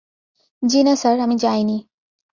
জি না স্যার, আমি যাই নি।